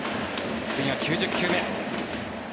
次が９０球目。